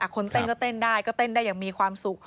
คนเต้นก็เต้นได้ก็เต้นได้อย่างมีความสุข